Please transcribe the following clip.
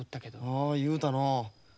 ああ言うたのう。